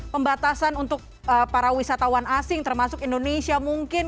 pembatasan untuk para wisatawan asing termasuk indonesia mungkin